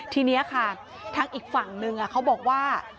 ทีนี้ค่ะทางอีกฝั่งนึงเขาบอกว่า